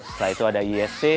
setelah itu ada esc